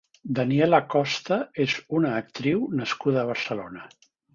Daniela Costa és una actriu nascuda a Barcelona.